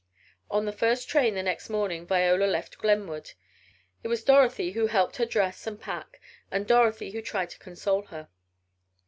On the first train the next morning Viola left Glenwood. It was Dorothy who helped her dress and pack, and Dorothy who tried to console her.